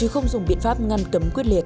không dùng biện pháp ngăn cấm quyết liệt